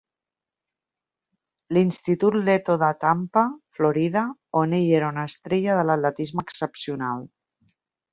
L'Institut Leto de Tampa, Florida, on ell era una estrella de l'atletisme excepcional.